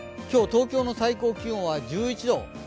今日、東京の最高気温は１１度。